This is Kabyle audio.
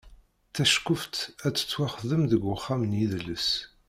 Taceqquft ad tettwaxdem deg uxxam n yidles.